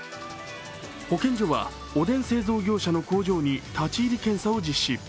保健所はおでん製造業者の工場に立入検査を実施。